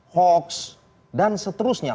hoax dan seterusnya